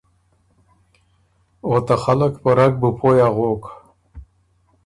او ته خلق په رګ بُو پویٛ اغوک